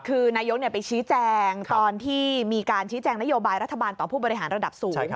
คือนายกไปชี้แจงตอนที่มีการชี้แจงนโยบายรัฐบาลต่อผู้บริหารระดับสูง